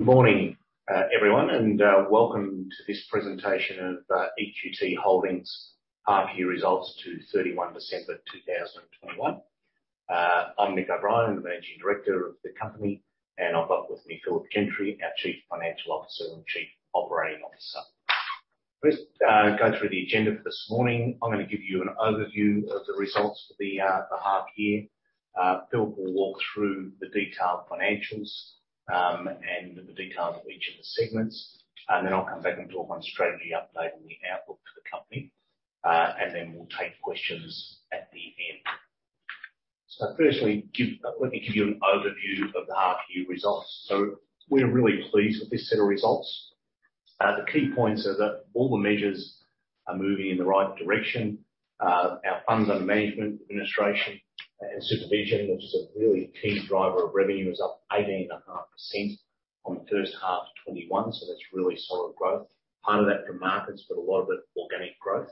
Good morning, everyone, and welcome to this presentation of EQT Holdings half year results to 31 December 2021. I'm Mick O'Brien, the Managing Director of the company, and I've got with me Philip Gentry, our Chief Financial Officer and Chief Operating Officer. Let's go through the agenda for this morning. I'm gonna give you an overview of the results for the half year. Phil will walk through the detailed financials and the details of each of the segments, and then I'll come back and talk on strategy update and the outlook for the company. We'll take questions at the end. First, let me give you an overview of the half year results. We're really pleased with this set of results. The key points are that all the measures are moving in the right direction. Our funds under management, administration and supervision, which is a really key driver of revenue, is up 18.5% on the first half of 2021, so that's really solid growth. Part of that from markets, but a lot of it organic growth.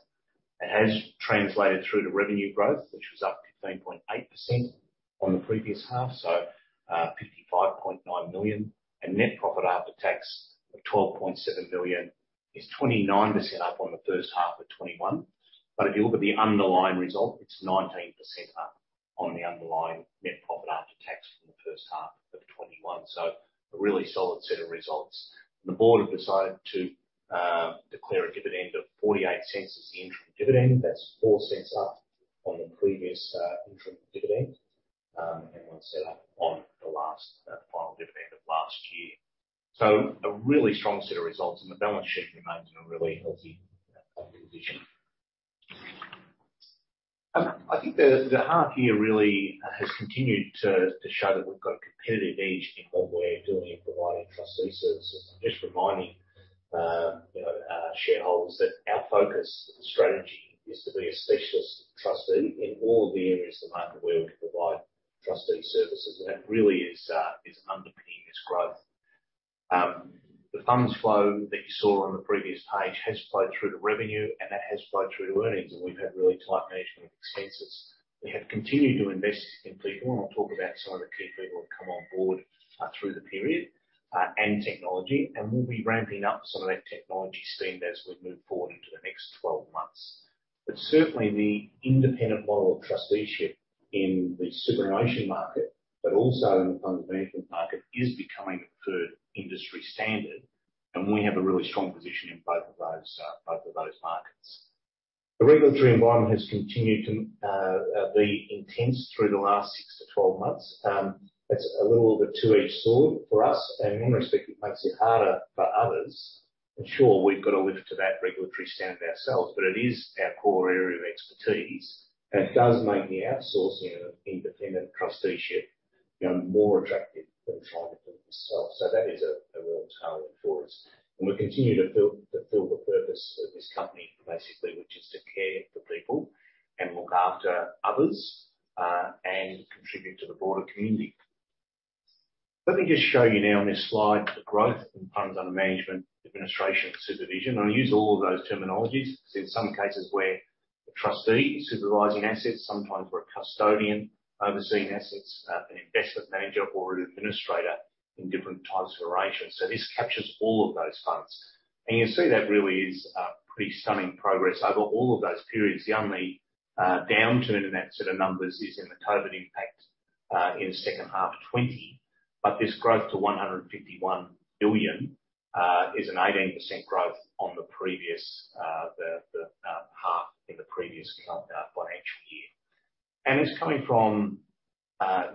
It has translated through to revenue growth, which was up 15.8% on the previous half, so 55.9 million. Net profit after tax of 12.7 million is 29% up on the first half of 2021. If you look at the underlying result, it's 19% up on the underlying net profit after tax from the first half of 2021. A really solid set of results. The board have decided to declare a dividend of 0.48 as the interim dividend. That's 0.04 up on the previous interim dividend, and 0.01 up on the last final dividend of last year. A really strong set of results, and the balance sheet remains in a really healthy position. I think the half year really has continued to show that we've got a competitive edge in what we're doing in providing trustee services. I'm just reminding you know our shareholders that our focus strategy is to be a specialist trustee in all of the areas of the market where we can provide trustee services, and it really is underpinning this growth. The funds flow that you saw on the previous page has flowed through to revenue, and that has flowed through to earnings, and we've had really tight management of expenses. We have continued to invest in people, and I'll talk about some of the key people who've come on board through the period and technology, and we'll be ramping up some of that technology spend as we move forward into the next 12 months. Certainly the independent model of trusteeship in the superannuation market, but also in the funds management market, is becoming a preferred industry standard, and we have a really strong position in both of those markets. The regulatory environment has continued to be intense through the last 6-12 months. It's a little of a two-edged sword for us. In one respect, it makes it harder for others. Sure, we've got to lift to that regulatory standard ourselves, but it is our core area of expertise and it does make the outsourcing of independent trusteeship, you know, more attractive than trying to do it yourself. That is a real tailwind for us. We continue to fill the purpose of this company, basically, which is to care for people and look after others, and contribute to the broader community. Let me just show you now on this slide the growth in funds under management, administration and supervision. I use all of those terminologies because in some cases we're a trustee supervising assets, sometimes we're a custodian overseeing assets, an investment manager or an administrator in different types of arrangements. This captures all of those funds. You see that really is pretty stunning progress over all of those periods. The only downturn in that set of numbers is in the COVID impact in the second half of 2020. This growth to 151 billion is an 18% growth on the previous half in the previous financial year. It's coming from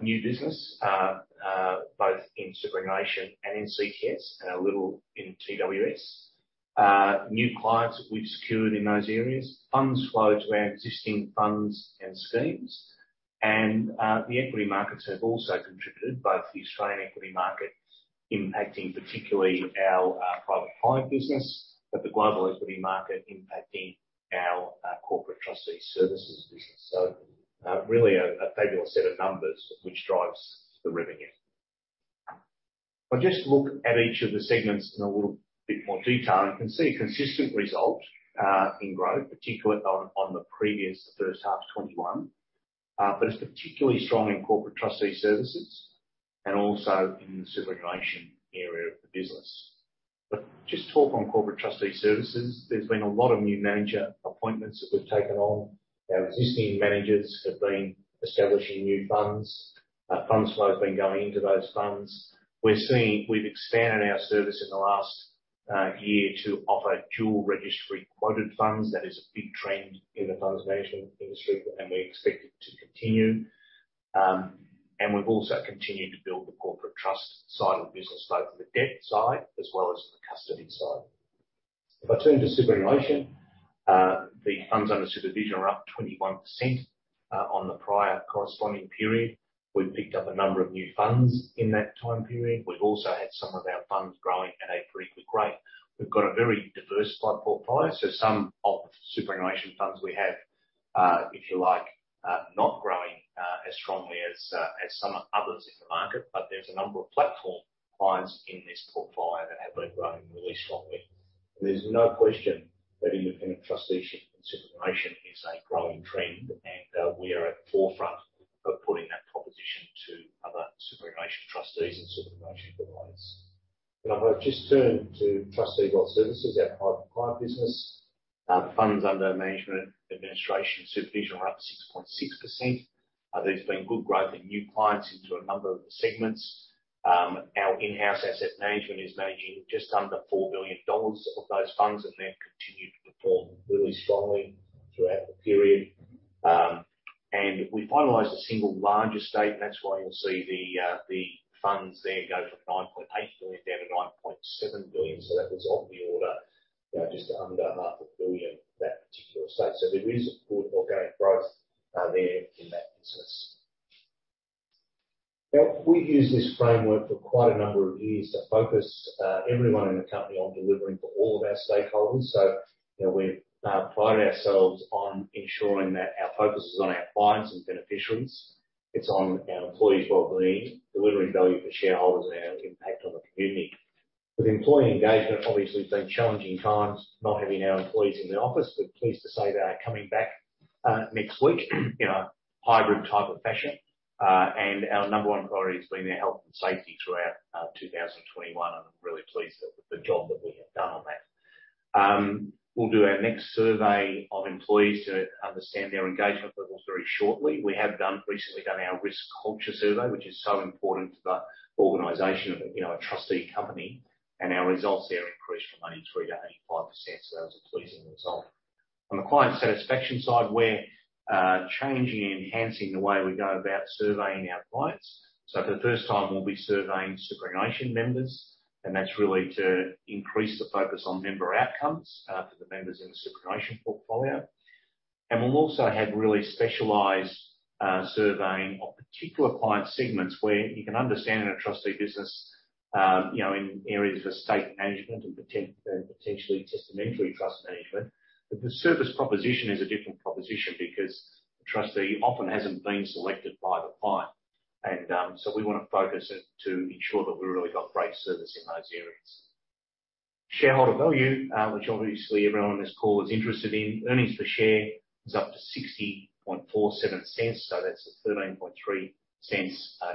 new business both in superannuation and in CTS, and a little in TWS. New clients that we've secured in those areas. Funds flow to our existing funds and schemes. The equity markets have also contributed, both the Australian equity market impacting particularly our private client business, but the global equity market impacting our corporate trustee services business. Really a fabulous set of numbers which drives the revenue. If I just look at each of the segments in a little bit more detail, you can see consistent result in growth, particularly on the previous first half of 2021. It's particularly strong in Corporate Trustee Services and also in the superannuation area of the business. Just talk on Corporate Trustee Services, there's been a lot of new manager appointments that we've taken on. Our existing managers have been establishing new funds. Funds flow has been going into those funds. We've expanded our service in the last year to offer dual registry quoted funds. That is a big trend in the funds management industry, and we expect it to continue. We've also continued to build the corporate trust side of the business, both the debt side as well as the custody side. If I turn to superannuation, the funds under supervision are up 21% on the prior corresponding period. We've picked up a number of new funds in that time period. We've also had some of our funds growing at a pretty quick rate. We've got a very diversified portfolio, so some of the superannuation funds we have, if you like, not growing as strongly as some others in the market. But there's a number of platform clients in this portfolio. Running really strongly. There's no question that independent trusteeship and superannuation is a growing trend, and we are at the forefront of putting that proposition to other superannuation trustees and superannuation providers. Can I just turn to Trustee & Wealth Services, our private client business. Funds under management, administration, supervision were up 6.6%. There's been good growth in new clients into a number of the segments. Our in-house asset management is managing just under 4 billion dollars of those funds, and they've continued to perform really strongly throughout the period. We finalized a single large estate, and that's why you'll see the funds there go from 9.8 billion down to 9.7 billion. That was of the order, you know, just under AUD half a billion, that particular estate. There is a good organic growth there in that business. Now, we've used this framework for quite a number of years to focus everyone in the company on delivering for all of our stakeholders. You know, we pride ourselves on ensuring that our focus is on our clients and beneficiaries. It's on our employees' wellbeing, delivering value for shareholders, and our impact on the community. With employee engagement, obviously, it's been challenging times not having our employees in the office. We're pleased to say they are coming back next week in a hybrid type of fashion. Our number one priority has been their health and safety throughout 2021. I'm really pleased with the job that we have done on that. We'll do our next survey of employees to understand their engagement levels very shortly. We have recently done our risk culture survey, which is so important to the organization of, you know, a trustee company. Our results there increased from 83%-85%, so that was a pleasing result. On the client satisfaction side, we're changing and enhancing the way we go about surveying our clients. For the first time, we'll be surveying superannuation members, and that's really to increase the focus on member outcomes, for the members in the superannuation portfolio. We'll also have really specialized, surveying of particular client segments where you can understand in a trustee business, you know, in areas of estate management and potentially testamentary trust management. The service proposition is a different proposition because the trustee often hasn't been selected by the client. We wanna focus it to ensure that we've really got great service in those areas. Shareholder value, which obviously everyone on this call is interested in. Earnings per share is up to 0.6047, so that's a 0.133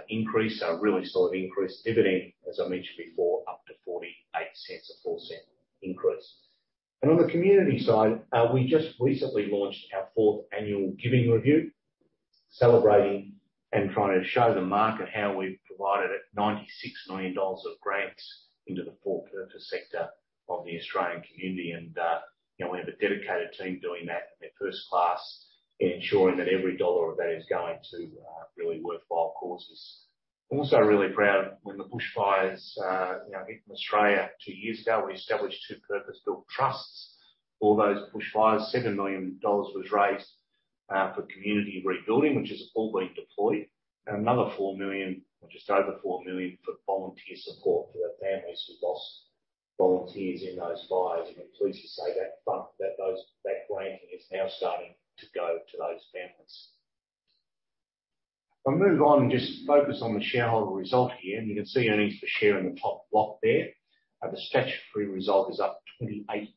increase. A really solid increased dividend, as I mentioned before, up to 0.48, a 0.04 increase. On the community side, we just recently launched our fourth annual giving review, celebrating and trying to show the market how we've provided 96 million dollars of grants into the for-purpose sector of the Australian community. You know, we have a dedicated team doing that, and they're first class in ensuring that every dollar of that is going to really worthwhile causes. Also really proud, when the bushfires, you know, hit Australia 2 years ago, we established 2 purpose-built trusts. For those bushfires, 7 million dollars was raised for community rebuilding, which has all been deployed. Another 4 million, or just over 4 million, for volunteer support for the families who lost volunteers in those fires. We're pleased to say that granting is now starting to go to those families. If I move on and just focus on the shareholder result here. You can see earnings per share in the top block there. The statutory result is up 28%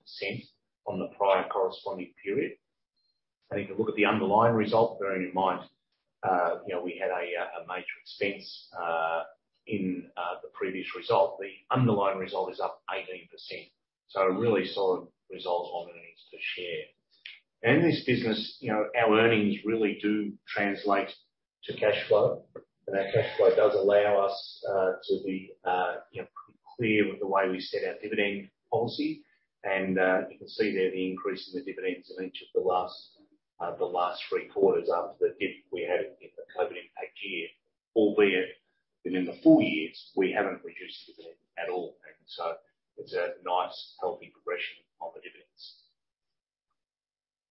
from the prior corresponding period. If you look at the underlying result, bearing in mind, you know, we had a major expense in the previous result. The underlying result is up 18%. A really solid result on earnings per share. In this business, you know, our earnings really do translate to cash flow. Our cash flow does allow us to be, you know, pretty clear with the way we set our dividend policy. You can see there the increase in the dividends in each of the last three quarters after the dip we had in the COVID-impact year. Albeit that in the full years, we haven't reduced the dividend at all. It's a nice, healthy progression of the dividends.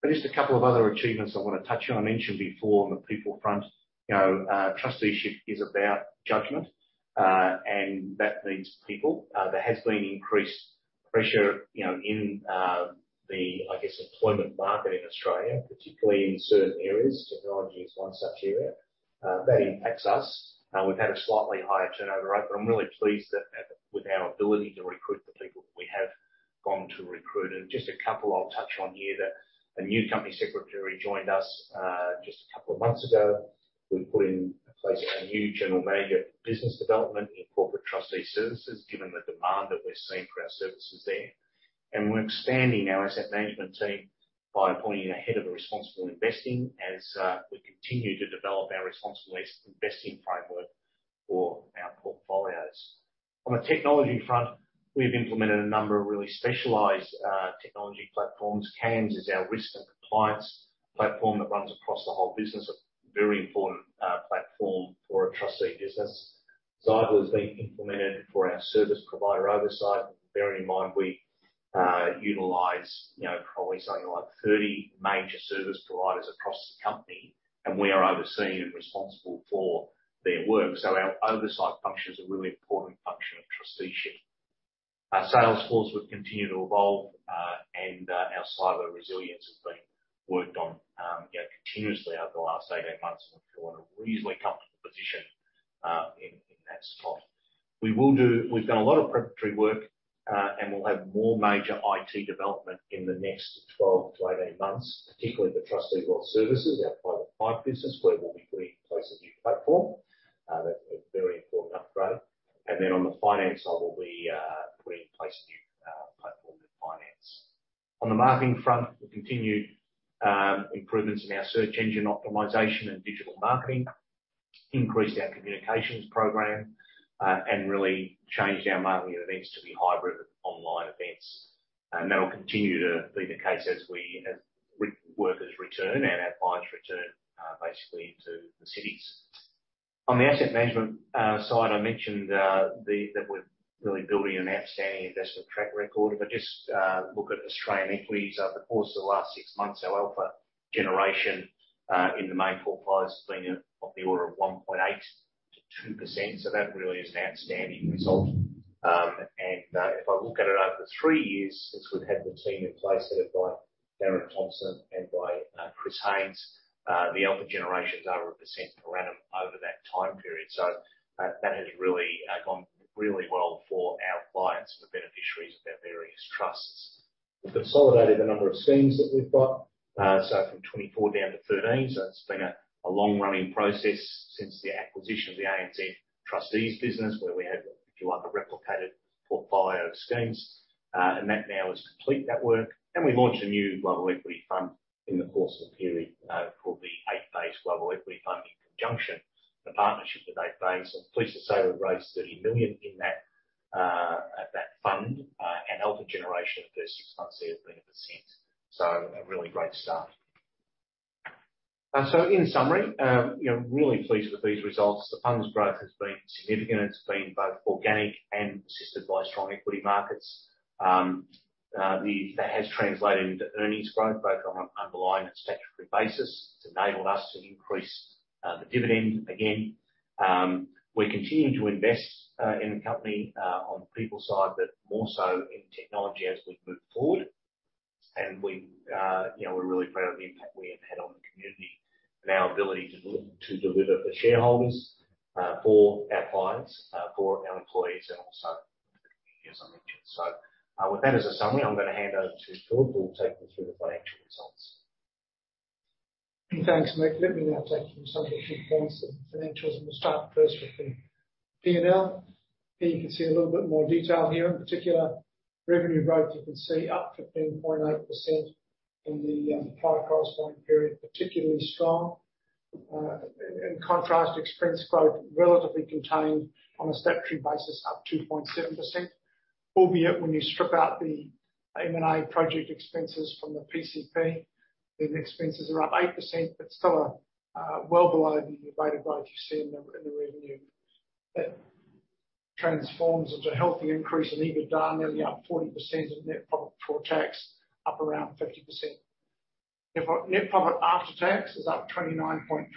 Just a couple of other achievements I wanna touch on. I mentioned before on the people front, you know, trusteeship is about judgment, and that needs people. There has been increased pressure, you know, in the, I guess, employment market in Australia, particularly in certain areas. Technology is one such area. That impacts us. We've had a slightly higher turnover rate, but I'm really pleased that with our ability to recruit the people that we have gone to recruit. Just a couple I'll touch on here that a new company secretary joined us, just a couple of months ago. We've put in place a new general manager of business development in Corporate Trustee Services, given the demand that we're seeing for our services there. We're expanding our asset management team by appointing a head of responsible investing as we continue to develop our responsible investing framework for our portfolios. On the technology front, we've implemented a number of really specialized technology platforms. CAMS is our risk and compliance platform that runs across the whole business, a very important platform for a trustee business. Xydra has been implemented for our service provider oversight. Bearing in mind we utilize, you know, probably something like 30 major service providers across the company, and we are overseeing and responsible for their work. Our oversight function is a really important function of trusteeship. Our Salesforce, we've continued to evolve, our cyber resilience has been worked on, you know, continuously over the last 18 months, and we feel in a reasonably comfortable position, in that spot. We've done a lot of preparatory work, and we'll have more major IT development in the next 12-18 months, particularly Trustee & Wealth Services, our private client business, where we'll be putting in place a new platform. That's a very important upgrade. On the finance side, we'll be putting in place a new platform with finance. On the marketing front, we've continued improvements in our search engine optimization and digital marketing, increased our communications program, and really changed our marketing events to be hybrid online events. That'll continue to be the case as our workers return and our clients return, basically to the cities. On the asset management side, I mentioned that we're really building an outstanding investment track record. Just look at Australian equities. Over the course of the last six months, our alpha generation in the main portfolios has been of the order of 1.8%-2%. That really is an outstanding result. If I look at it over three years since we've had the team in place, headed by Darren Thomson and by Chris Haynes, the alpha generation is over 1% per annum over that time period. That has really gone really well for our clients and the beneficiaries of our various trusts. We've consolidated the number of schemes that we've got, so from 24 down to 13. It's been a long running process since the acquisition of the ANZ Trustees business, where we had, if you like, a replicated portfolio of schemes. That now is complete, that work. We launched a new global equity fund in the course of the period, called the 8IP Global Equity Fund, in conjunction with a partnership with 8IP. I'm pleased to say we raised 30 million in that fund, and alpha generation of the first six months thereof 20%. A really great start. In summary, you know, really pleased with these results. The funds growth has been significant. It's been both organic and assisted by strong equity markets. That has translated into earnings growth, both on an underlying and statutory basis. It's enabled us to increase the dividend again. We're continuing to invest in the company on people side, but more so in technology as we move forward. We, you know, we're really proud of the impact we have had on the community and our ability to deliver for shareholders, for our clients, for our employees and also for the community, as I mentioned. With that as a summary, I'm gonna hand over to Philip, who will take you through the financial results. Thanks, Nick. Let me now take you through some of the key points of the financials, and we'll start first with the P&L. Here you can see a little bit more detail here. In particular, revenue growth, you can see up 15.8% in the prior corresponding period, particularly strong. In contrast, expense growth relatively contained on a statutory basis, up 2.7%. Albeit when you strip out the M&A project expenses from the PCP, then expenses are up 8%, but still, well below the rate of growth you see in the revenue. That transforms into a healthy increase in EBITDA, nearly up 40% of net profit before tax, up around 50%. Net profit after tax is up 29.3%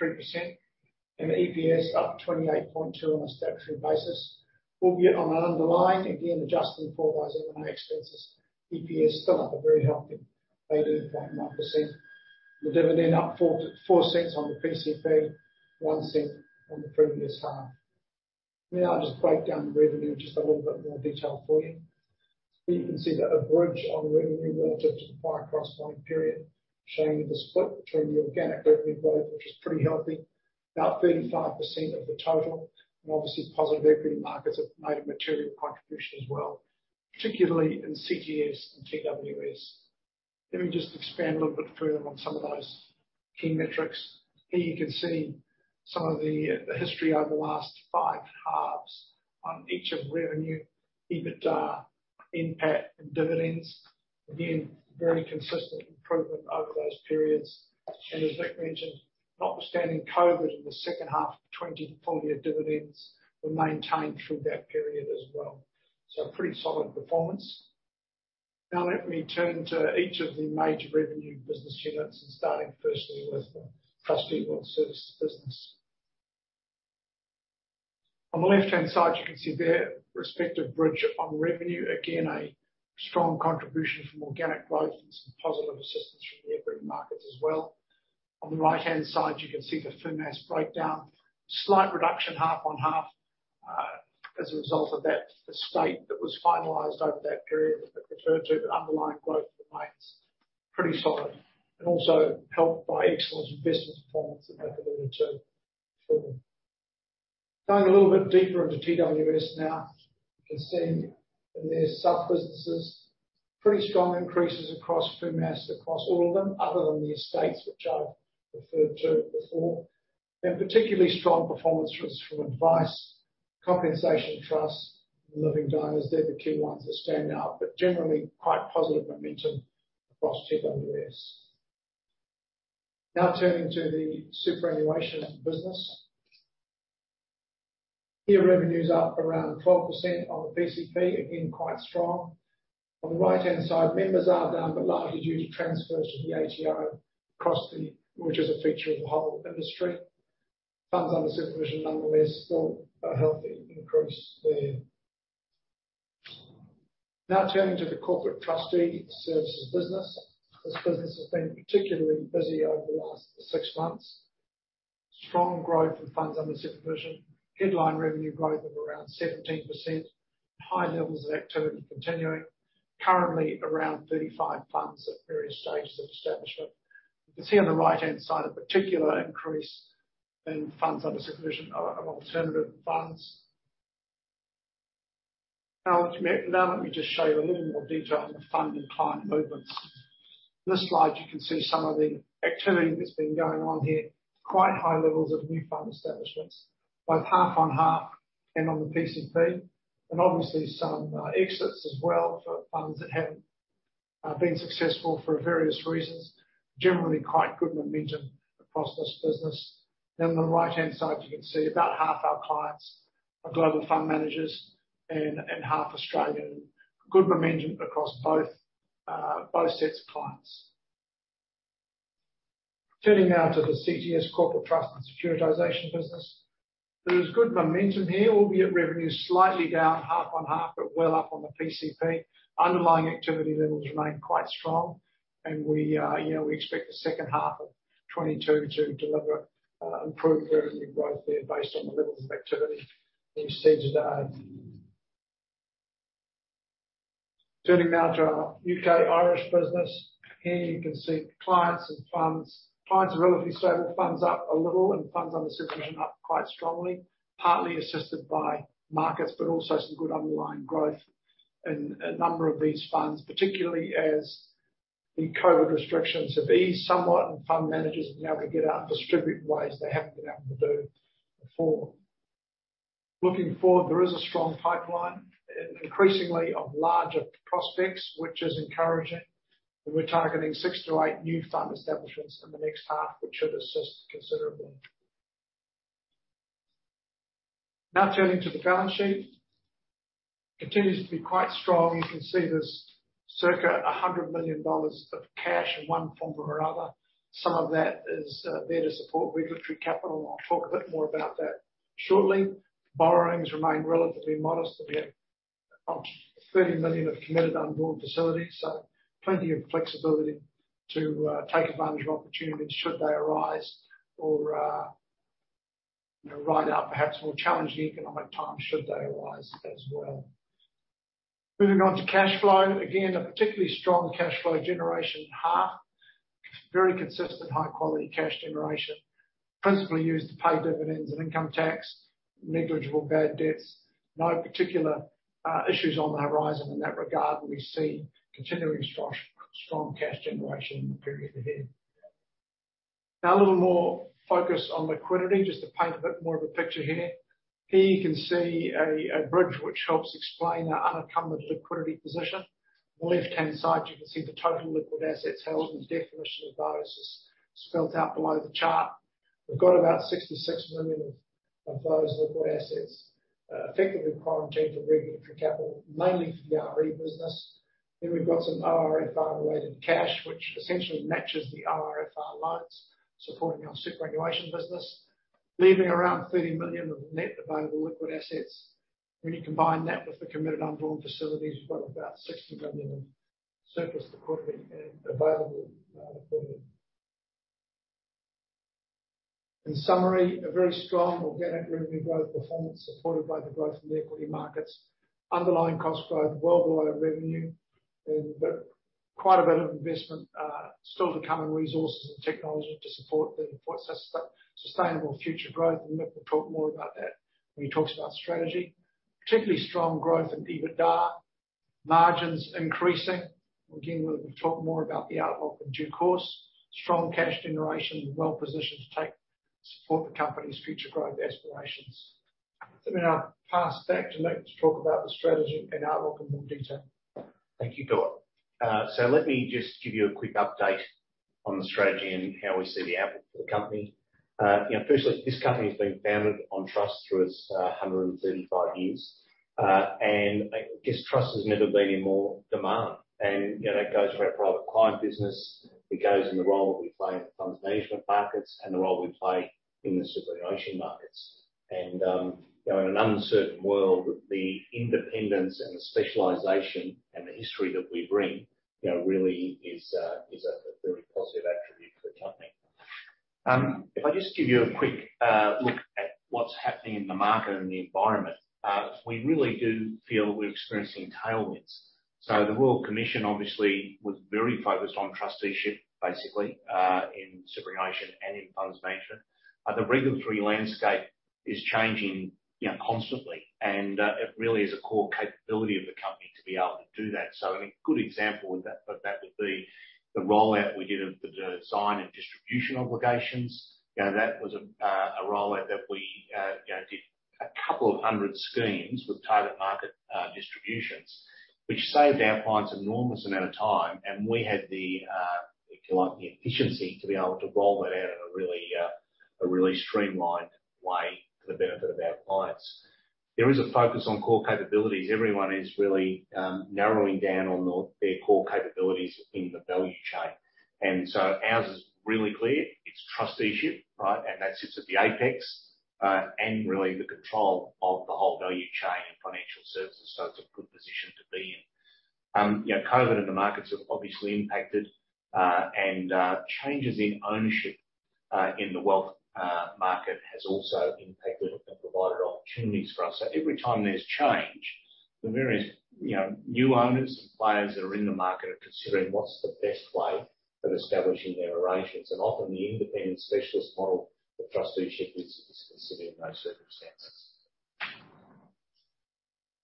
and the EPS up 28.2 on a statutory basis. Albeit on an underlying, again, adjusting for those M&A expenses, EPS still up a very healthy 18.1%. The dividend up 0.044 on the PCP, 0.01 on the previous half. Now I'll just break down the revenue in just a little bit more detail for you. Here you can see that a bridge on revenue relative to the prior corresponding period, showing the split between the organic revenue growth, which is pretty healthy, about 35% of the total. Obviously, positive equity markets have made a material contribution as well, particularly in CTS and TWS. Let me just expand a little bit further on some of those key metrics. Here you can see some of the history over the last 5 halves on each of revenue, EBITDA, NPAT and dividends. Again, very consistent improvement over those periods. As Mick mentioned, notwithstanding COVID in the second half of 2020, full year dividends were maintained through that period as well. Pretty solid performance. Now let me turn to each of the major revenue business units, and starting firstly with the Trustee & Wealth Services business. On the left-hand side, you can see their respective bridge on revenue. Again, a strong contribution from organic growth and some positive assistance from the equity markets as well. On the right-hand side, you can see the fee and asset breakdown. Slight reduction half-on-half, as a result of that estate that was finalized over that period that Mick referred to, but underlying growth remains pretty solid and also helped by excellent investment performance in that portfolio too. Diving a little bit deeper into TWS now. You can see in their sub-businesses pretty strong increases across fee and assets across all of them other than the estates which I've referred to before. Particularly strong performance from advice, compensation trusts and living trusts. They're the key ones that stand out, but generally quite positive momentum across TWS. Now turning to the superannuation business. Here revenue's up around 12% on the PCP, again, quite strong. On the right-hand side, members are down, but largely due to transfers to the ATO across the board, which is a feature of the whole industry. Funds under supervision nonetheless still a healthy increase there. Now turning to the Corporate Trustee Services business. This business has been particularly busy over the last six months. Strong growth in funds under supervision. Headline revenue growth of around 17%. High levels of activity continuing. Currently around 35 funds at various stages of establishment. You can see on the right-hand side a particular increase in funds under supervision of alternative funds. Now let me just show you a little more detail on the fund and client movements. In this slide, you can see some of the activity that's been going on here. Quite high levels of new fund establishments, both half-on-half and on the PCP. Obviously some exits as well for funds that haven't been successful for various reasons. Generally quite good momentum across this business. On the right-hand side, you can see about half our clients are global fund managers and half Australian. Good momentum across both sets of clients. Turning now to the CTS corporate trust and securitization business. There is good momentum here, albeit revenue slightly down half-on-half, but well up on the PCP. Underlying activity levels remain quite strong and we expect the second half of 2022 to deliver improved revenue growth there based on the levels of activity we see today. Turning now to our U.K. Irish business. Here you can see clients and funds. Clients are relatively stable, funds up a little, and funds under supervision up quite strongly, partly assisted by markets, but also some good underlying growth in a number of these funds, particularly as the COVID restrictions have eased somewhat and fund managers are now able to get out and distribute in ways they haven't been able to do before. Looking forward, there is a strong pipeline, increasingly of larger prospects, which is encouraging. We're targeting 6-8 new fund establishments in the next half, which should assist considerably. Now turning to the balance sheet. It continues to be quite strong. You can see there's circa 100 million dollars of cash in one form or another. Some of that is there to support regulatory capital, and I'll talk a bit more about that shortly. Borrowings remain relatively modest. We have 30 million of committed undrawn facilities, so plenty of flexibility to take advantage of opportunities should they arise or you know, ride out perhaps more challenging economic times should they arise as well. Moving on to cash flow. Again, a particularly strong cash flow generation half. Very consistent high-quality cash generation, principally used to pay dividends and income tax, negligible bad debts. No particular issues on the horizon in that regard. We see continuing strong cash generation in the period ahead. Now a little more focus on liquidity, just to paint a bit more of a picture here. Here you can see a bridge which helps explain our unencumbered liquidity position. On the left-hand side, you can see the total liquid assets held, and the definition of those is spelled out below the chart. We've got about 66 million of those liquid assets, effectively quarantined for regulatory capital, mainly for the RE business. Then we've got some ORFR-related cash, which essentially matches the ORFR loans supporting our superannuation business, leaving around 30 million of net available liquid assets. When you combine that with the committed undrawn facilities, we've got about 60 million of surplus liquidity, available liquidity. In summary, a very strong organic revenue growth performance supported by the growth in the equity markets. Underlying cost growth well below revenue, but quite a bit of investment still to come in resources and technology to support sustainable future growth. Mick O'Brien will talk more about that when he talks about strategy. Particularly strong growth in EBITDA. Margins increasing. Again, we'll talk more about the outlook in due course. Strong cash generation and well positioned to support the company's future growth aspirations. I'll pass back to Mick O'Brien to talk about the strategy and outlook in more detail. Thank you, Guy. So let me just give you a quick update on the strategy and how we see the outlook for the company. You know, firstly, this company has been founded on trust through its 135 years. Trust has never been in more demand. You know, that goes for our private client business. It goes for the role that we play in the funds management markets and the role we play in the superannuation markets. You know, in an uncertain world, the independence and the specialization and the history that we bring really is a very positive attribute for the company. If I just give you a quick look at what's happening in the market and the environment, we really do feel that we're experiencing tailwinds. The Royal Commission obviously was very focused on trusteeship, basically, in superannuation and in funds management. The regulatory landscape is changing, you know, constantly, and it really is a core capability of the company to be able to do that. A good example of that would be the rollout we did of the design and distribution obligations. You know, that was a rollout that we, you know, did a couple of hundred schemes with target market distributions, which saved our clients an enormous amount of time, and we had the, if you like, the efficiency to be able to roll that out in a really streamlined way for the benefit of our clients. There is a focus on core capabilities. Everyone is really narrowing down on their core capabilities in the value chain. Ours is really clear. It's trusteeship, right? That sits at the apex and really the control of the whole value chain in financial services. It's a good position to be in. You know, COVID and the markets have obviously impacted, and changes in ownership in the wealth market has also impacted and provided opportunities for us. Every time there's change, the various, you know, new owners and players that are in the market are considering what's the best way of establishing their arrangements. Often the independent specialist model for trusteeship is considered in those circumstances.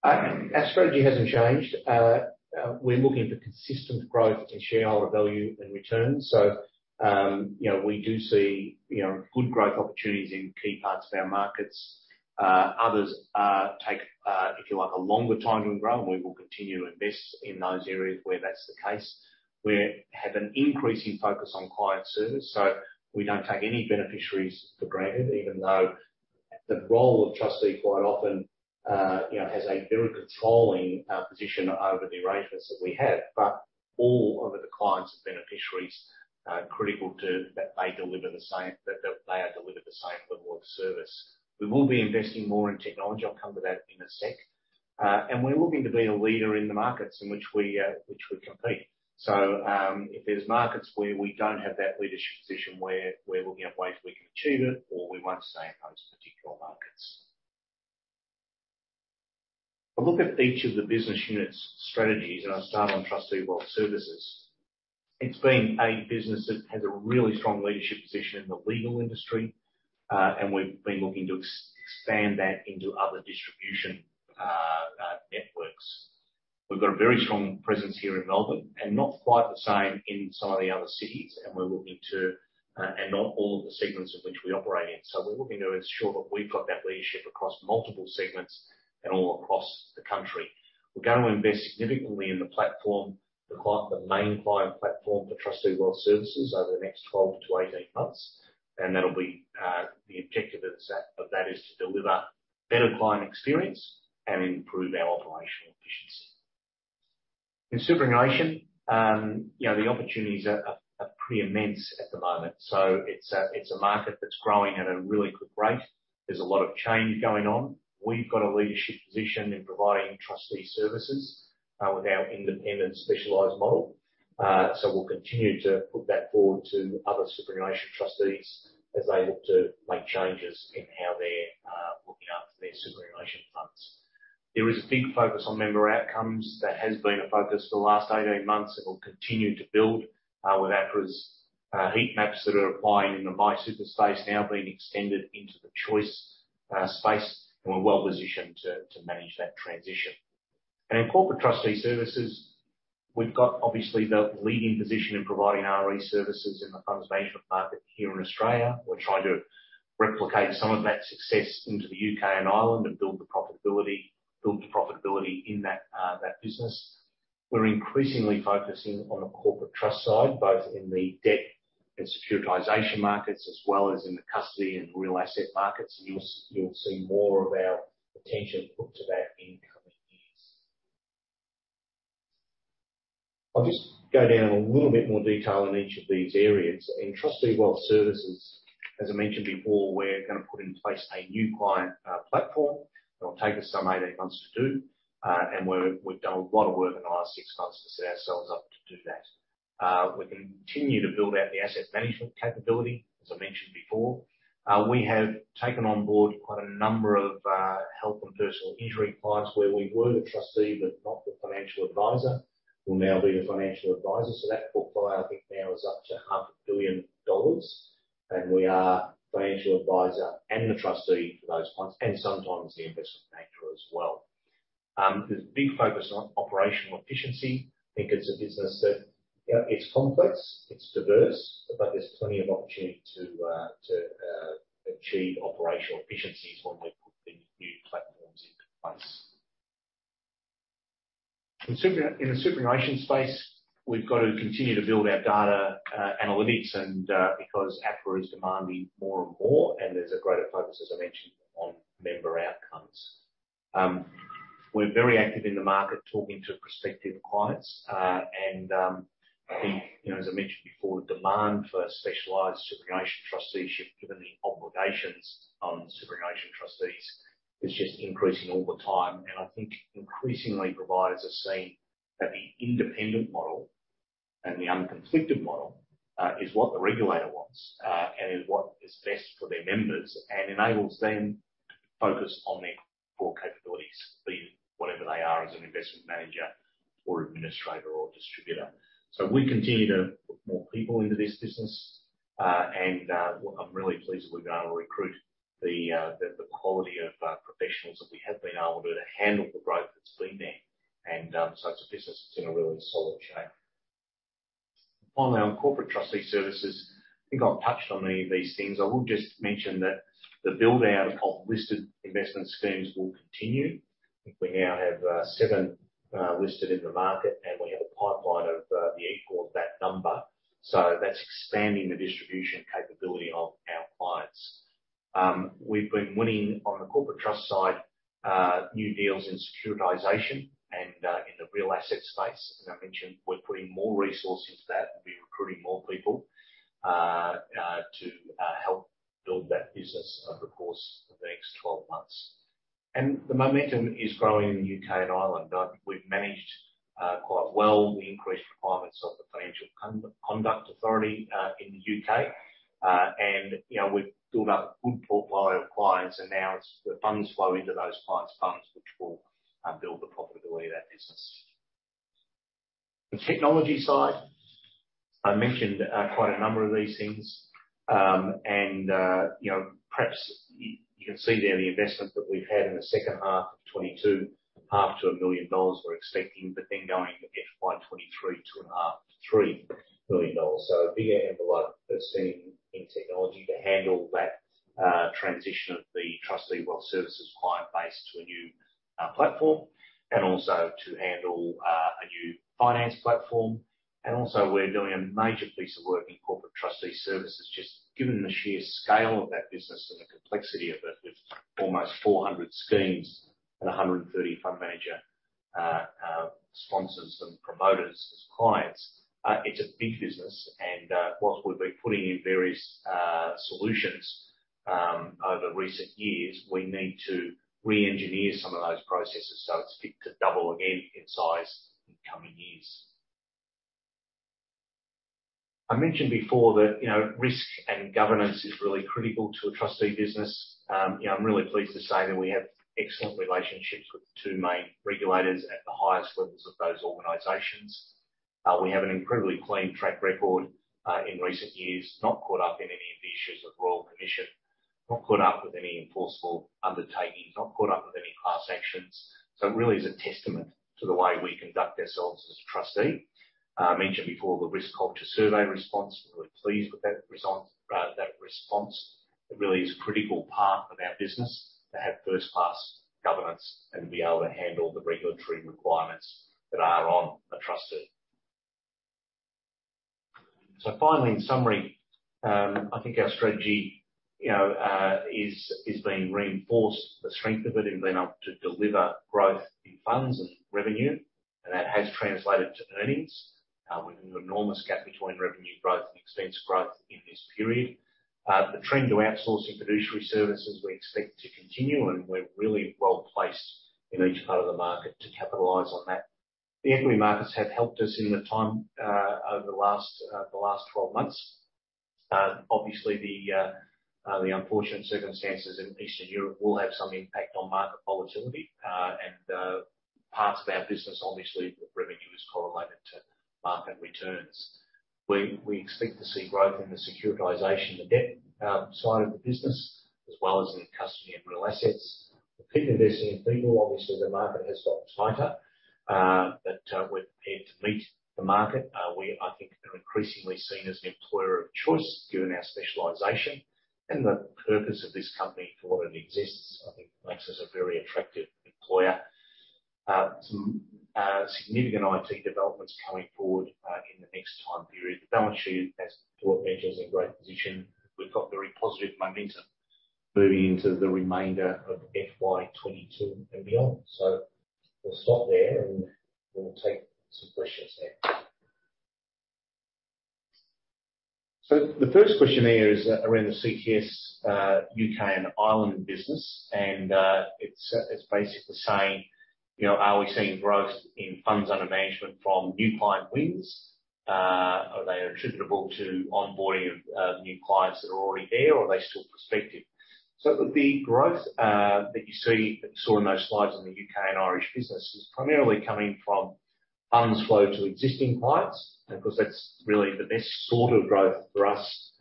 Our strategy hasn't changed. We're looking for consistent growth in shareholder value and returns. You know, we do see, you know, good growth opportunities in key parts of our markets. Others take, if you like, a longer time to grow, and we will continue to invest in those areas where that's the case. We have an increasing focus on client service, so we don't take any beneficiaries for granted, even though the role of trustee quite often, you know, has a very controlling position over the arrangements that we have. All of the clients and beneficiaries are critical to that they are delivered the same level of service. We will be investing more in technology. I'll come to that in a sec. We're looking to be a leader in the markets in which we compete. If there's markets where we don't have that leadership position, where we're looking at ways we can achieve it, or we won't stay in those particular markets. I'll look at each of the business units' strategies, and I'll start on Trustee & Wealth Services. It's been a business that has a really strong leadership position in the legal industry, and we've been looking to expand that into other distribution networks. We've got a very strong presence here in Melbourne and not quite the same in some of the other cities, and we're looking to, and not all of the segments in which we operate in. We're looking to ensure that we've got that leadership across multiple segments and all across the country. We're going to invest significantly in the platform, the main client platform for Trustee & Wealth Services over the next 12-18 months, and that'll be the objective of that is to deliver better client experience and improve our operational efficiency. In superannuation, you know, the opportunities are pretty immense at the moment. It's a market that's growing at a really good rate. There's a lot of change going on. We've got a leadership position in providing trustee services with our independent specialized model. We'll continue to put that forward to other superannuation trustees as they look to make changes in how they're looking after their superannuation funds. There is a big focus on member outcomes. That has been a focus for the last 18 months. It will continue to build with APRA's heat maps that are applying in the MySuper space now being extended into the choice space, and we're well positioned to manage that transition. In Corporate Trustee Services, we've got obviously the leading position in providing RE services in the funds management market here in Australia. We're trying to replicate some of that success into the U.K. and Ireland and build the profitability in that business. We're increasingly focusing on a corporate trust side, both in the debt and securitization markets as well as in the custody and real asset markets. You'll see more of our attention put to that in coming years. I'll just go down a little bit more detail in each of these areas. In Trustee & Wealth Services, as I mentioned before, we're gonna put in place a new client platform. It'll take us some 18 months to do, and we've done a lot of work in the last six months to set ourselves up to do that. We continue to build out the asset management capability, as I mentioned before. We have taken on board quite a number of health and personal injury clients where we were the trustee but not the financial advisor. We'll now be the financial advisor. That portfolio I think now is up to half a billion dollars, and we are financial advisor and the trustee for those clients and sometimes the investment manager as well. There's a big focus on operational efficiency. I think it's a business that, you know, it's complex, it's diverse, but there's plenty of opportunity to achieve operational efficiencies when we put the new platforms into place. In the superannuation space, we've got to continue to build our data, analytics and, because APRA is demanding more and more, and there's a greater focus, as I mentioned, on member outcomes. We're very active in the market, talking to prospective clients. I think, you know, as I mentioned before, demand for specialized superannuation trusteeship, given the obligations on superannuation trustees, is just increasing all the time. I think increasingly providers are seeing that the independent model and the unconflicted model is what the regulator wants and is what is best for their members and enables them to focus on their core capabilities, be it whatever they are as an investment manager or administrator or distributor. We continue to put more people into this business and I'm really pleased that we've been able to recruit the quality of professionals that we have been able to to handle the growth that's been there. It's a business that's in a really solid shape. Finally, on Corporate Trustee Services, I think I've touched on these things. I will just mention that the build-out of listed investment schemes will continue. We now have 7 listed in the market, and we have a pipeline of the equal of that number. So that's expanding the distribution capability of our clients. We've been winning on the corporate trust side, new deals in securitization and in the real asset space. As I mentioned, we're putting more resource into that. We'll be recruiting more people to help build that business over the course of the next 12 months. The momentum is growing in the U.K. and Ireland. I think we've managed quite well the increased requirements of the Financial Conduct Authority in the U.K. You know, we've built up a good portfolio of clients, and now it's the funds flow into those clients funds which will build the profitability of that business. The technology side, I mentioned quite a number of these things. You know, perhaps you can see there the investment that we've had in the second half of 2022, AUD half a million dollars we're expecting, but then going to FY 2023 to AUD half to 3 million dollars. A bigger envelope investing in technology to handle that transition of the Trustee & Wealth Services client base to a new platform, and also to handle a new finance platform. Also we're doing a major piece of work in Corporate Trustee Services, just given the sheer scale of that business and the complexity of it, with almost 400 schemes and 130 fund managers, sponsors and promoters as clients. It's a big business and, while we've been putting in various solutions over recent years, we need to reengineer some of those processes, so it's fit to double again in size in coming years. I mentioned before that, you know, risk and governance is really critical to a trustee business. You know, I'm really pleased to say that we have excellent relationships with the two main regulators at the highest levels of those organizations. We have an incredibly clean track record in recent years, not caught up in any of the issues of Royal Commission. Not caught up with any enforceable undertakings, not caught up with any class actions. It really is a testament to the way we conduct ourselves as a trustee. I mentioned before the risk culture survey response. We're really pleased with that response. It really is a critical part of our business to have first-class governance and to be able to handle the regulatory requirements that are on a trustee. Finally, in summary, I think our strategy, you know, is being reinforced. The strength of it in being able to deliver growth in funds and revenue, and that has translated to earnings. With an enormous gap between revenue growth and expense growth in this period. The trend to outsourcing fiduciary services we expect to continue, and we're really well placed in each part of the market to capitalize on that. The equity markets have helped us in the time over the last 12 months. Obviously the unfortunate circumstances in Eastern Europe will have some impact on market volatility, and parts of our business, obviously, the revenue is correlated to market returns. We expect to see growth in the securitization, the debt side of the business, as well as in custody and real assets. We're keeping investing in people. Obviously, the market has got tighter, but we're prepared to meet the market. We, I think, are increasingly seen as an employer of choice given our specialization and the purpose of this company for what it exists, I think makes us a very attractive employer. Some significant IT developments coming forward in the next time period. The balance sheet has put Ventures in a great position. We've got very positive momentum moving into the remainder of FY 2022 and beyond. We'll stop there, and we'll take some questions then. The first question there is around the CTS, U.K. and Ireland business. It's basically saying, you know, are we seeing growth in funds under management from new client wins? Are they attributable to onboarding of new clients that are already there, or are they still prospective? The growth that you see, that you saw in those slides in the U.K. and Irish business is primarily coming from funds flow to existing clients. Of course, that's really the best sort of growth for us,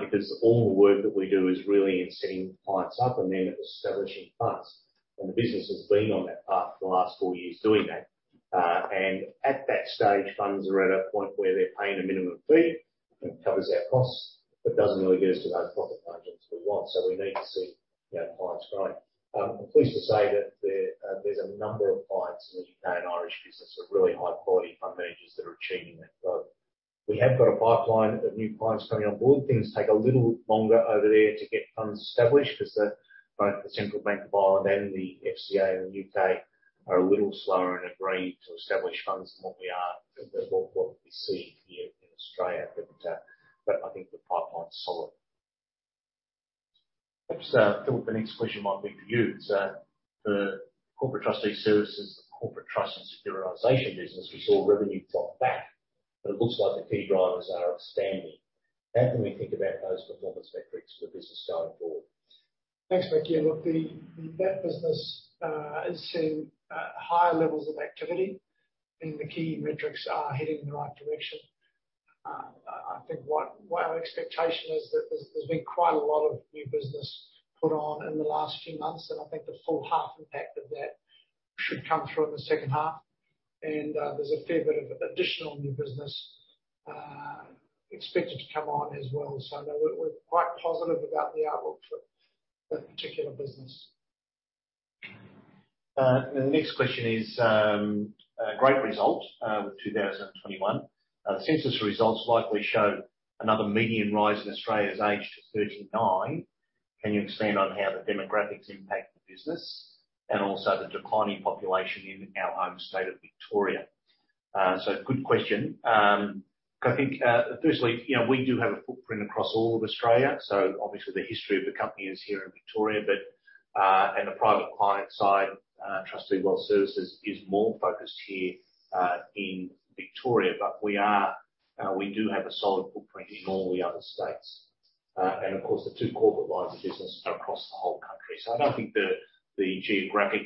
because all the work that we do is really in setting clients up and then establishing funds. The business has been on that path for the last four years doing that. At that stage, funds are at a point where they're paying a minimum fee and it covers our costs, but doesn't really get us to those profit margins we want. We need to see, you know, clients growing. I'm pleased to say that there's a number of clients in the U.K. and Irish business that are really high quality fund managers that are achieving that growth. We have got a pipeline of new clients coming on board. Things take a little longer over there to get funds established because the, both the Central Bank of Ireland and the FCA in the U.K. are a little slower in agreeing to establish funds than what we are, than what we see here in Australia. I think the pipeline's solid. Perhaps, Phil, the next question might be for you. It's the Corporate Trustee Services, the corporate trust and securitization business. We saw revenue drop back, but it looks like the key drivers are outstanding. How can we think about those performance metrics for the business going forward? Thanks, Mikey. Look, that business is seeing higher levels of activity, and the key metrics are heading in the right direction. I think our expectation is that there's been quite a lot of new business put on in the last few months, and I think the full half impact of that should come through in the second half. There's a fair bit of additional new business expected to come on as well. No, we're quite positive about the outlook for that particular business. The next question is a great result with 2021 census results likely show another median rise in Australia's age to 39. Can you expand on how the demographics impact the business and also the declining population in our home state of Victoria? Good question. I think, firstly, you know, we do have a footprint across all of Australia, so obviously the history of the company is here in Victoria. The private client side, Trustee & Wealth Services, is more focused here in Victoria. We do have a solid footprint in all the other states. Of course, the two corporate lines of business are across the whole country. I don't think the geographic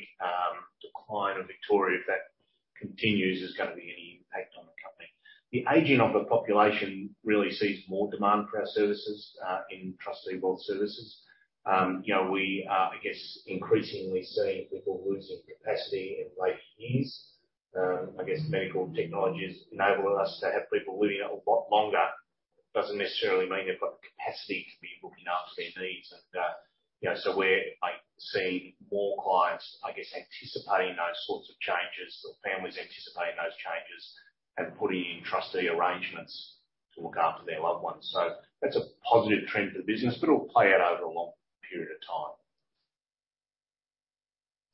decline of Victoria, if that continues, is gonna be any impact on the company. The aging of the population really sees more demand for our services in Trustee & Wealth Services. You know, we are increasingly seeing people losing capacity in later years. Medical technologies enabling us to have people living a lot longer doesn't necessarily mean they've got the capacity to be looking after their needs. You know, so we're seeing more clients anticipating those sorts of changes or families anticipating those changes and putting in trustee arrangements to look after their loved ones. That's a positive trend for the business, but it'll play out over a long period of time.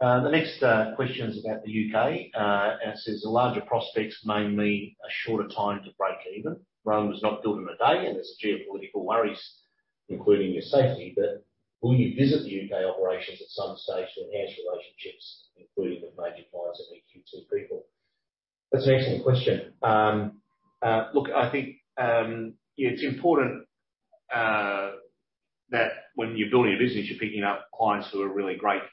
The next question is about the U.K. It says the larger prospects may mean a shorter time to break even. Rome was not built in a day and there's geopolitical worries, including your safety. Will you visit the U.K. operations at some stage to enhance relationships, including with major clients and EQT people? That's an excellent question. Look, I think it's important that when you're building a business, you're picking up clients who are really great clients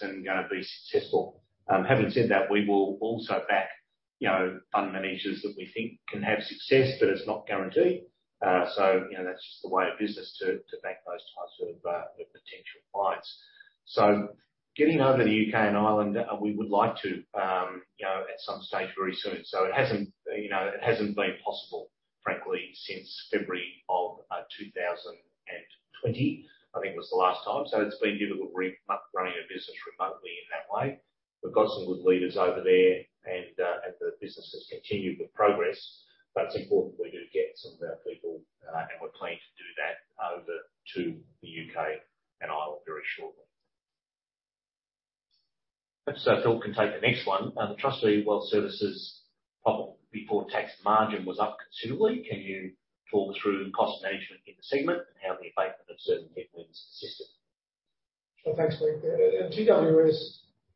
and gonna be successful. Having said that, we will also back, you know, fund managers that we think can have success, but it's not guaranteed. You know, that's just the way of business to back those types of potential clients. Getting over to the U.K. and Ireland, we would like to, you know, at some stage very soon. It hasn't, you know, it hasn't been possible, frankly, since February of 2020, I think was the last time. It's been difficult running a business remotely in that way. We've got some good leaders over there and the business has continued with progress. It's important we do get some of our people, and we're planning to do that over to the U.K. and Ireland very shortly. Phil can take the next one. The Trustee & Wealth Services profit before tax margin was up considerably. Can you talk through cost management in the segment and how the abatement of certain headwinds assisted? Sure. Thanks, Mike. TWS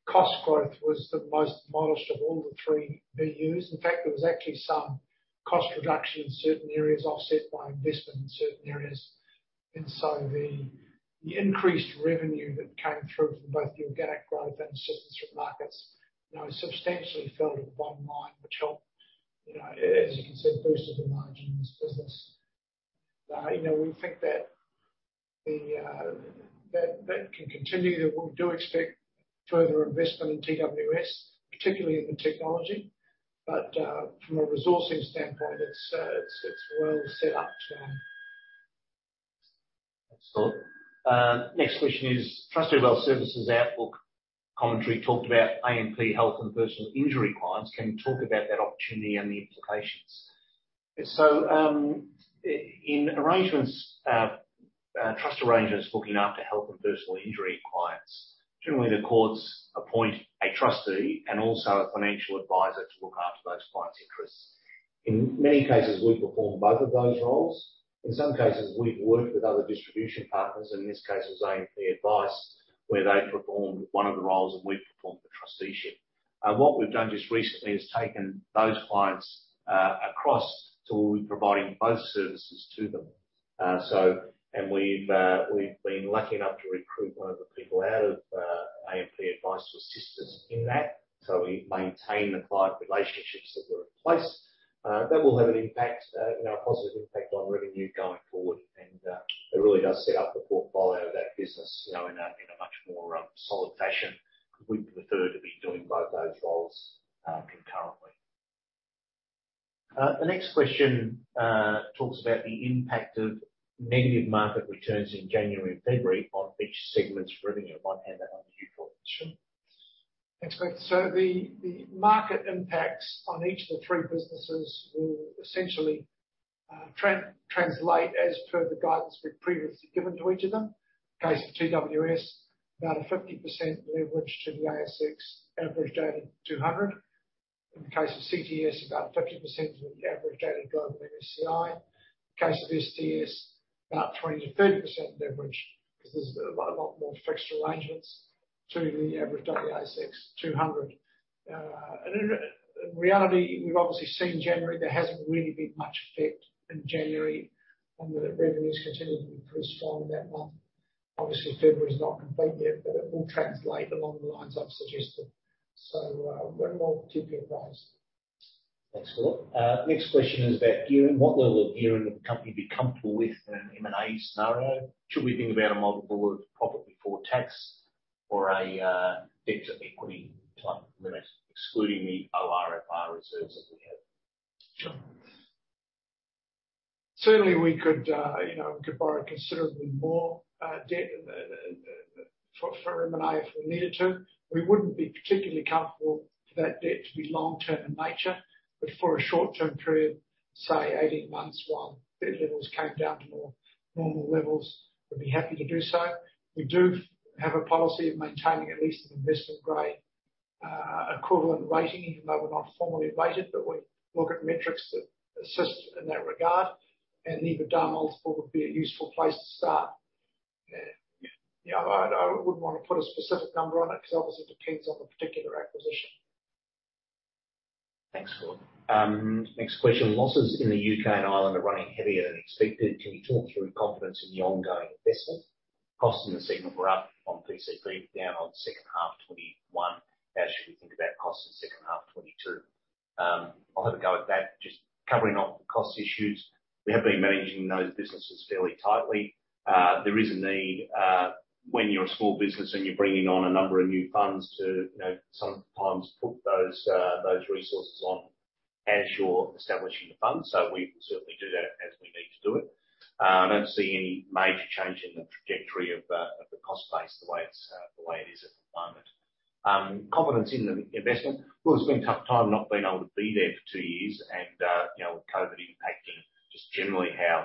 cost growth was the most modest of all the three BUs. In fact, there was actually some cost reduction in certain areas, offset by investment in certain areas. The increased revenue that came through from both the organic growth and certain markets, you know, substantially flowed to the bottom line, which helped, you know, as you can see, boosted the margin in this business. We think that that can continue. We do expect further investment in TWS, particularly in the technology. From a resourcing standpoint, it's well set up to... Thanks, Phil. Next question is Trustee & Wealth Services outlook commentary talked about AMP Advice and personal injury clients. Can you talk about that opportunity and the implications? In trust arrangements, looking after health and personal injury clients, generally the courts appoint a trustee and also a financial advisor to look after those clients' interests. In many cases, we perform both of those roles. In some cases, we've worked with other distribution partners, in this case it was AMP Advice, where they've performed one of the roles and we've performed the trusteeship. What we've done just recently is taken those clients across to where we're providing both services to them. We've been lucky enough to recruit one of the people out of AMP Advice to assist us in that. We maintain the client relationships that were in place. That will have an impact, you know, a positive impact on revenue going forward. It really does set up the portfolio of that business, you know, in a much more solid fashion, because we prefer to be doing both those roles concurrently. The next question talks about the impact of negative market returns in January and February on each segment's revenue. I might hand that one to you, Phil, if that's all right. Thanks, Mike. The market impacts on each of the three businesses will essentially translate as per the guidance we've previously given to each of them. In the case of TWS, about 50% leverage to the ASX 200. In the case of CTS, about 50% of the average dated global MSCI. In the case of STS, about 20%-30% leverage because there's a lot more fixed arrangements to the average ASX 200. In reality, we've obviously seen in January. There hasn't really been much effect in January and the revenue has continued to be pretty strong in that month. Obviously, February is not complete yet, but it will translate along the lines I've suggested. We're more typically advised. Thanks, Phil. Next question is about gearing. What level of gearing would the company be comfortable with in an M&A scenario? Should we think about a multiple of profit before tax? A debt to equity type limit, excluding the ORFR reserves that we have. Sure. Certainly we could, you know, we could borrow considerably more debt than for M&A if we needed to. We wouldn't be particularly comfortable for that debt to be long-term in nature. For a short term period, say 18 months, while debt levels came down to more normal levels, we'd be happy to do so. We do have a policy of maintaining at least an investment grade equivalent rating, even though we're not formally rated, but we look at metrics that assist in that regard, and the EBITDA multiple would be a useful place to start. Yeah, I wouldn't wanna put a specific number on it because obviously it depends on the particular acquisition. Thanks, Philip. Next question. Losses in the U.K. and Ireland are running heavier than expected. Can you talk through confidence in the ongoing investment? Costs in the segment were up on PCP, down on second half 2021. How should we think about costs in second half 2022? I'll have a go at that. Just covering off the cost issues. We have been managing those businesses fairly tightly. There is a need, when you're a small business and you're bringing on a number of new funds to, you know, sometimes put those resources on as you're establishing the fund. So we will certainly do that as we need to do it. I don't see any major change in the trajectory of the cost base the way it is at the moment. Confidence in the investment. Well, it's been a tough time not being able to be there for two years and, you know, with COVID impacting just generally how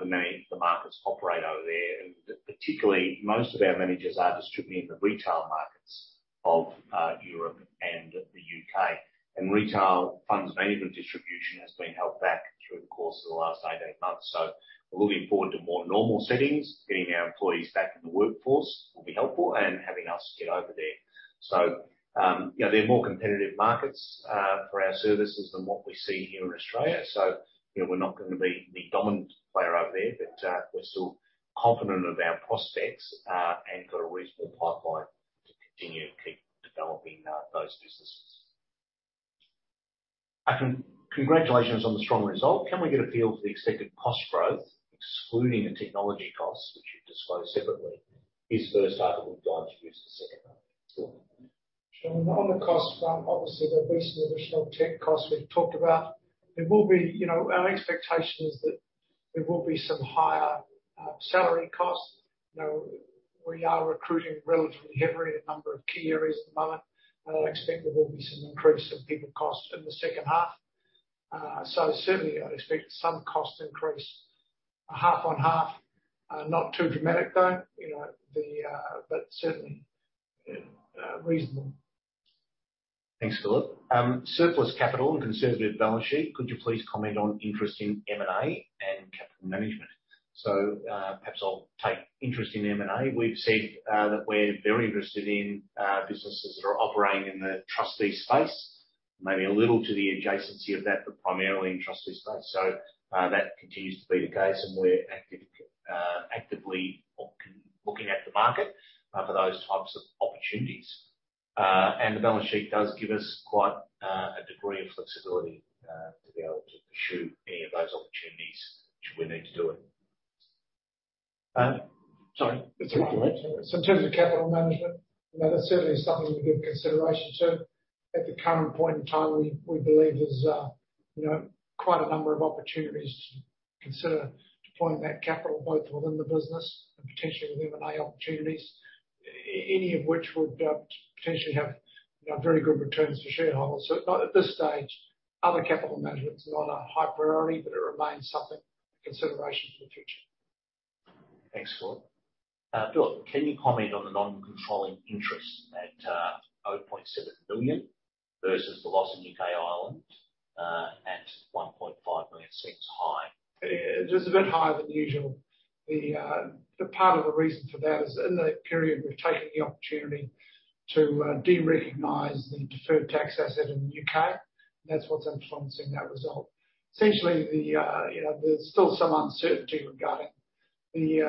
the markets operate over there. Particularly, most of our managers are distributing in the retail markets of Europe and the U.K. Retail funds management distribution has been held back through the course of the last 18 months. We're looking forward to more normal settings. Getting our employees back in the workforce will be helpful and having us get over there. You know, they're more competitive markets for our services than what we see here in Australia. You know, we're not gonna be the dominant player over there, but, we're still confident of our prospects and got a reasonable pipeline to continue to keep developing those businesses. Congratulations on the strong result. Can we get a feel for the expected cost growth excluding the technology costs which you've disclosed separately? This first item will contribute to the second one. Philip. Sure. On the cost front, obviously, there'll be some additional tech costs we've talked about. There will be, you know, our expectation is that there will be some higher salary costs. You know, we are recruiting relatively heavily in a number of key areas at the moment, and I expect there will be some increase in people cost in the second half. Certainly I'd expect some cost increase half on half. Not too dramatic, though, you know, but certainly reasonable. Thanks, Philip. Surplus capital and conservative balance sheet. Could you please comment on interest in M&A and capital management? Perhaps I'll take interest in M&A. We've said that we're very interested in businesses that are operating in the trustee space. Maybe a little to the adjacency of that, but primarily in trustee space. That continues to be the case and we're active, actively looking at the market for those types of opportunities. And the balance sheet does give us quite a degree of flexibility to be able to pursue any of those opportunities should we need to do it. Sorry. In terms of capital management, you know, that's certainly something that we give consideration to. At the current point in time, we believe there's, you know, quite a number of opportunities to consider deploying that capital, both within the business and potentially with M&A opportunities, any of which would potentially have, you know, very good returns for shareholders. At this stage, other capital management is not a high priority, but it remains something for consideration for the future. Thanks, Philip. Philip, can you comment on the non-controlling interest at 0.7 million versus the loss in U.K./Ireland at 1.5 million? Seems high. Yeah, it is a bit higher than usual. The part of the reason for that is in that period, we've taken the opportunity to de-recognize the deferred tax asset in the U.K. That's what's influencing that result. Essentially, you know, there's still some uncertainty regarding the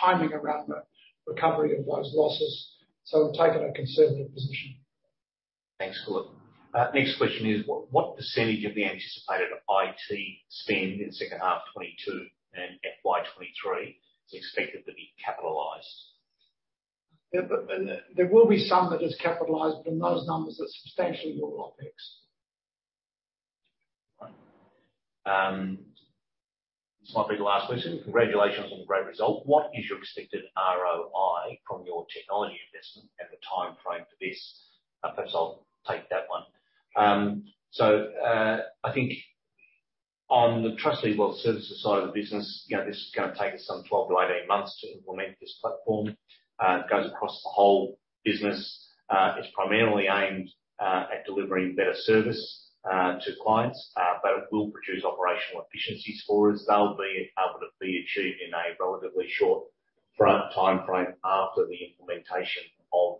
timing around the recovery of those losses. We've taken a conservative position. Thanks, Philip. Next question is, what percentage of the anticipated IT spend in second half 2022 and FY 2023 is expected to be capitalized? Yeah. There will be some that is capitalized, but in those numbers are substantially more OpEx. Right. This might be the last question. Congratulations on the great result. What is your expected ROI from your technology investment and the timeframe for this? Perhaps I'll take that one. I think on the Trustee & Wealth Services side of the business, you know, this is gonna take us some 12-18 months to implement this platform. It goes across the whole business. It's primarily aimed at delivering better service to clients, but it will produce operational efficiencies for us that'll be able to be achieved in a relatively short timeframe after the implementation of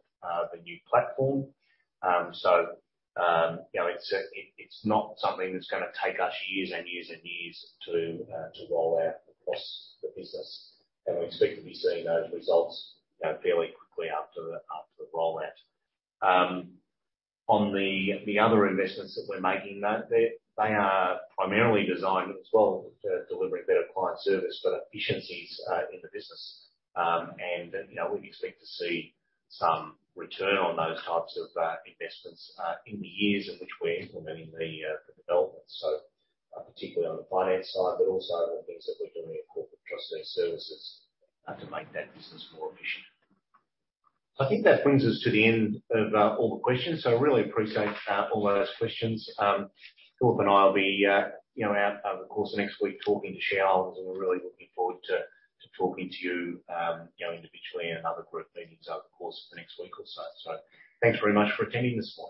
the new platform. You know, it's not something that's gonna take us years and years and years to roll out across the business. We expect to be seeing those results fairly quickly after the rollout. On the other investments that we're making, they are primarily designed as well to delivering better client service, but efficiencies in the business. We expect to see some return on those types of investments in the years in which we're implementing the development. Particularly on the finance side, but also the things that we're doing at Corporate Trustee Services to make that business more efficient. I think that brings us to the end of all the questions. I really appreciate all those questions. Philip and I will be, you know, out over the course of next week talking to shareholders, and we're really looking forward to talking to you know, individually and in other group meetings over the course of the next week or so. Thanks very much for attending this morning.